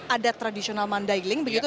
ada tradisional mandailing begitu